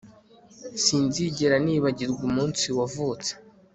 sinzigera nibagirwa umunsi wavutse